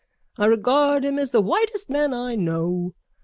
I regard him as the whitest man I know.